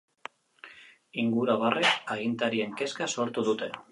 Inguruabarrek agintarien kezka sortu dute.